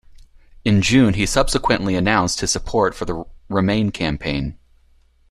In June, he subsequently announced his support for the Remain campaign.